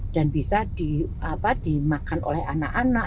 dan bisa dimakan oleh anak anak